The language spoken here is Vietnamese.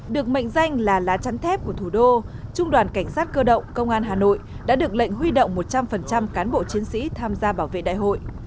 được mệnh danh là lá chắn thép của thủ đô trung đoàn cảnh sát cơ động công an hà nội đã được lệnh huy động một trăm linh cán bộ chiến sĩ tham gia bảo vệ đại hội